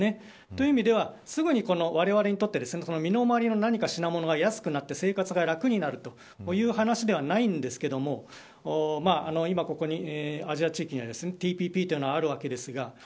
という意味ではすぐに、われわれにとって身の回りの品物が安くなって生活が楽になるという話ではないんですが今、ここにアジア地域にはＴＰＰいうのがあるわけですがＴＰＰ